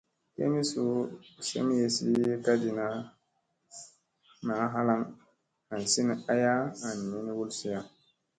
Kemii suu semyesi kadina naa halaŋ hansina aya an min wulsia.